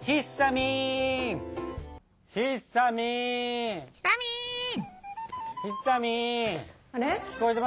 ひさみん聞こえてます？